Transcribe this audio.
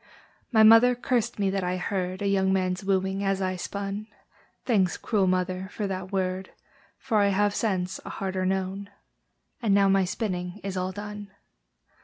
My mother cursed me that I heard A young man's wooing as I spun: Thanks, cruel mother, for that word, For I have, since, a harder known! And now my spinning is all done.